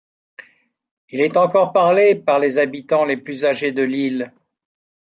Il est encore parlé par les habitants les plus âgés de l'île.